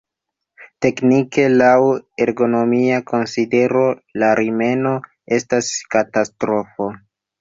Teknike, laŭ ergonomia konsidero la rimeno estas katastrofo.